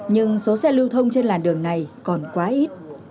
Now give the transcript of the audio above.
nhưng số xe lưu thông trên làn đường này còn quá ít